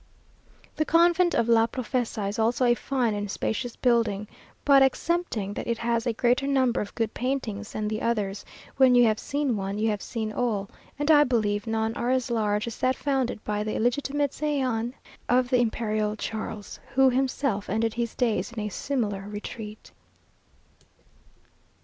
The convent of La Profesa is also a fine and spacious building, but excepting that it has a greater number of good paintings than the others, when you have seen one, you have seen all, and I believe none are as large as that founded by the illegitimate scion of the Imperial Charles, who himself ended his days in a similar retreat.